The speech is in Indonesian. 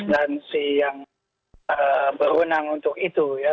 instansi yang berwenang untuk itu ya